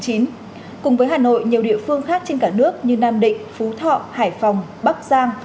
cùng với hà nội nhiều địa phương khác trên cả nước như nam định phú thọ hải phòng bắc giang